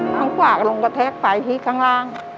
ข้างขวาก็ลงกระแทกไปที่ข้างล่าง